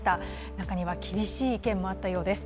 中には厳しい意見もあったようです。